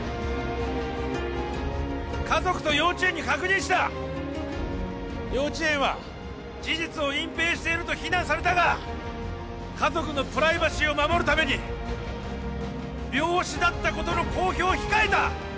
家族と幼稚園に確認した幼稚園は事実を隠蔽していると非難されたが家族のプライバシーを守るために病死だったことの公表を控えた！